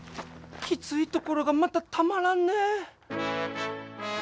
きついところがまたたまらんね。